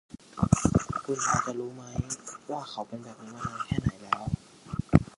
คุณพอจะรู้มั้ยว่าเขาเป็นแบบนี้มานานแค่ไหนแล้ว ?